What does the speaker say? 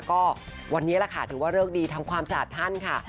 ก็วันนี้แหละค่ะถือว่าเลิกดีทำความสะอาดท่านค่ะ